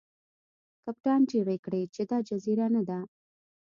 کپتان چیغې کړې چې دا جزیره نه ده.